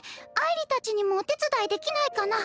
いりたちにもお手伝いできないかな？